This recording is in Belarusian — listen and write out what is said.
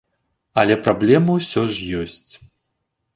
Але праблемы ўсё ж ёсць.